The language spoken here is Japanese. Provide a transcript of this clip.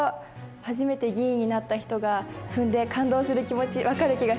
初めて議員になった人が踏んで感動する気持ち分かる気がします。